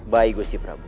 baik gusti prabu